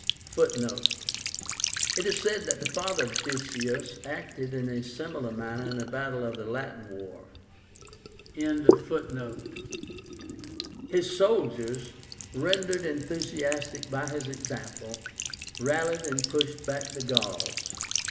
(Footnote: It is said that the father of Decius acted in a similar manner in a battle of the Latin war.) His soldiers, rendered enthusiastic by his example, rallied and pushed back the Gauls.